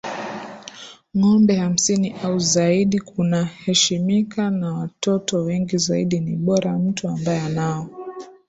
ngombe hamsini au zaidi kunaheshimika na watoto wengi zaidi ni bora Mtu ambaye anao